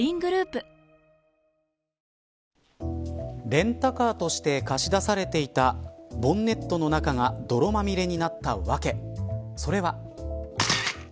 レンタカーとして貸し出されていたボンネットの中が泥まみれになったわけそれは。